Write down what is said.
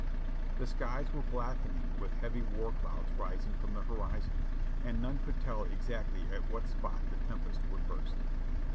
The skies were blackening with heavy war clouds rising from the horizon, and none could tell exactly at what spot the tempest would burst.